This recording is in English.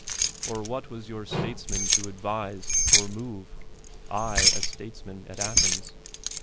Or what v.as your states man to advise or move? — I, a statesman at Athens?